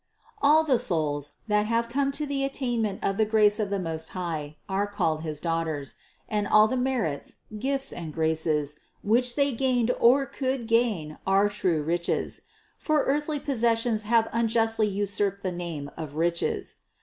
All the souls, that have come to the attainment of the grace of the Most High, are called his daughters; and all the merits, gifts and graces, which they gained or could gain, are true riches^ for earthly possessions have unjustly usurped the name of riches.